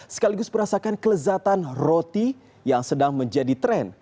sekaligus merasakan kelezatan roti yang sedang menjadi tren